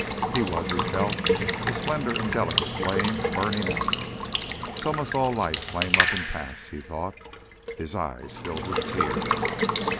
He was, he felt, a slender and delicate flame, burning out. So must all life flame up and pass, he thought. His eyes filled with tears.